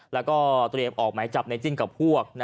แล้วก็เตรียมออกหมายจับในจิ้นกับพวก